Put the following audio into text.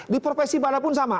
di profesi mana pun sama